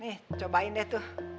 nih cobain deh tuh